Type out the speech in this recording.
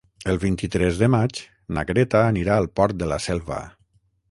El vint-i-tres de maig na Greta anirà al Port de la Selva.